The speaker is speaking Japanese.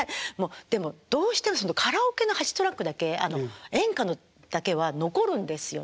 でもどうしてもカラオケの８トラックだけ演歌だけは残るんですよ